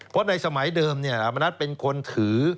เพราะในสมัยเดิมเนี่ยดาบมณัฏเป็นคนถือ